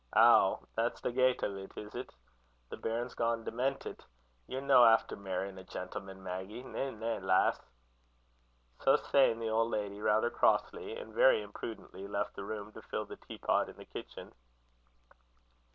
"Ow! that's the gait o't, is't? The bairn's gane dementit! Ye're no efter merryin' a gentleman, Maggy? Na, na, lass!" So saying, the old lady, rather crossly, and very imprudently, left the room to fill the teapot in the kitchen.